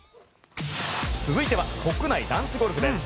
続いては国内男子ゴルフです。